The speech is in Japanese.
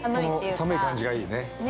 ◆この寒い感じがいいね。